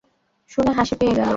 শুনে হাসি পেয়ে গেলো।